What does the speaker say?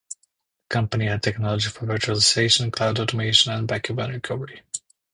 The company had technology for virtualization, cloud automation and backup and recovery.